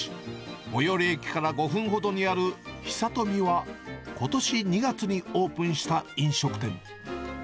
最寄り駅から５分ほどにあるヒサトミは、ことし２月にオープンした飲食店。